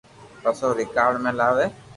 پسي او رآڪارد ۾ لاوي